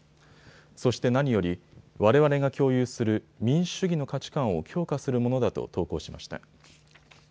そして何よりわれわれが共有する民主主義の価値観を強化するものだと投稿しました。